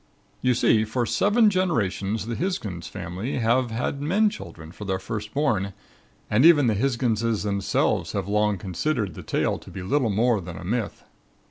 You see, for seven generations the Hisgins family have had men children for their first born and even the Hisginses themselves have long considered the tale to be little more than a myth.